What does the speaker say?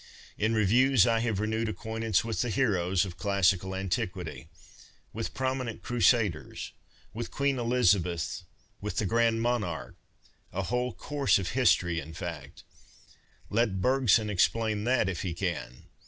In revues I have renewed acquaintance with the heroes of classical antiquity, witli prominent crusaders, with Queen Elizabeth, with the Grand Monarque — a whole course of history, in fact. Let Bergson explain that, if he can.